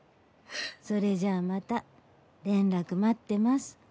それじゃあまた連絡待ってます。